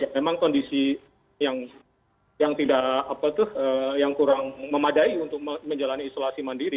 memang kondisi yang kurang memadai untuk menjalani isolasi mandiri